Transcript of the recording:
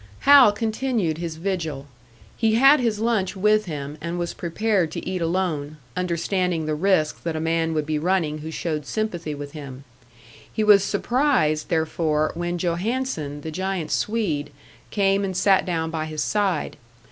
Hal continued his vigil. He had his lunch with him; and was prepared to eat alone understanding the risk that a man would be running who showed sympathy with him. He was surprised, therefore, when Johannson, the giant Swede, came and sat down by his side.